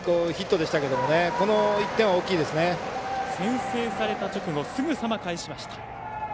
先制された直後すぐさま返しました。